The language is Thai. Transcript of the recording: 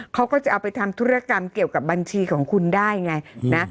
เขาก็จะเอาไปทำธุรกรรมเกี่ยวกับบัญชีของคุณได้ไงนะ